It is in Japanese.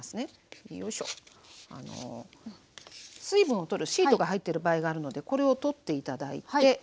水分を取るシートが入ってる場合があるのでこれを取って頂いて。